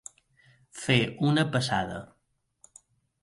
Fer una passada.